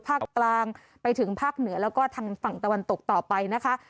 ภาคกลางไปถึงภาคเหนือแล้วก็ทางฝั่งตะวันตกต่อไปนะคะ